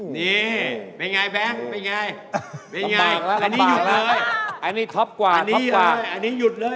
นี่บ้างไงแบงค์เป็นไงเห็นไงอันนี้หยุดเลยอันนี้ท็อปกว่าอันนี้อยุดเลย